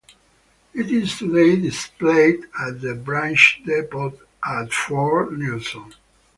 It is today displayed at the branch depot at Fort Nelson.